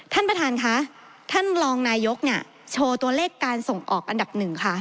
ท่านประธานค่ะท่านรองนายกเนี่ยโชว์ตัวเลขการส่งออกอันดับหนึ่งค่ะ